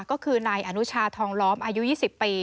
ก็คือนายอนุชาทองล้อมอายุ๒๐ปี